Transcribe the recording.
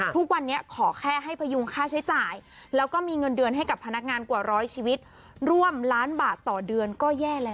ทุกวันนี้ขอแค่ให้พยุงค่าใช้จ่ายแล้วก็มีเงินเดือนให้กับพนักงานกว่าร้อยชีวิตร่วมล้านบาทต่อเดือนก็แย่แล้ว